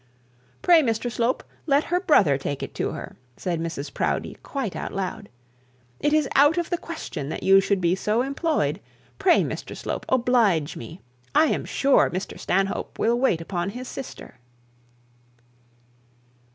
'Pray, Mr Slope, let her brother take it to her,' said Mrs Proudie, quite out loud. 'It is out of the question that you should be so employed. Pray, Mr Slope, oblige me; I am sure Mr Stanhope will wait upon his sister.'